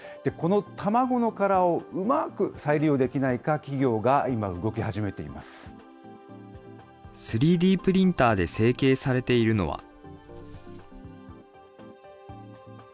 この卵の殻をうまく再利用できないか、企業が今、動き始めていま３Ｄプリンターで成型されているのは。